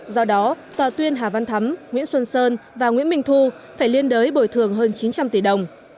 do đó tòa tuyên hà văn thắm nguyễn xuân sơn và nguyễn minh thu phải liên đới bồi thường hơn chín trăm linh tỷ đồng